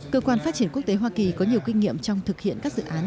cơ quan phát triển quốc tế hoa kỳ có nhiều kinh nghiệm trong thực hiện các dự án